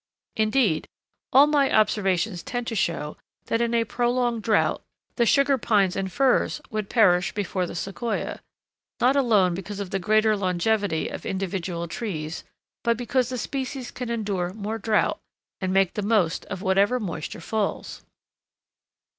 Indeed, all my observations tend to show that in a prolonged drought the Sugar Pines and firs would perish before the Sequoia, not alone because of the greater longevity of individual trees, but because the species can endure more drought, and make the most of whatever moisture falls.